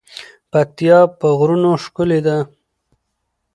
پکتيا په غرونو ښکلی ده.